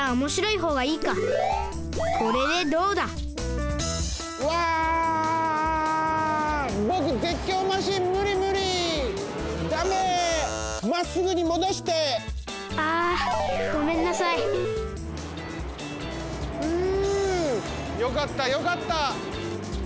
ふうよかったよかった。